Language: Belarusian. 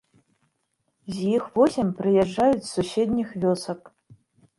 З іх восем прыязджаюць з суседніх вёсак.